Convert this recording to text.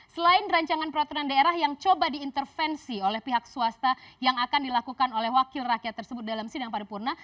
selain rancangan peraturan daerah yang coba diintervensi oleh pihak swasta yang akan dilakukan oleh wakil rakyat tersebut dalam sidang paripurna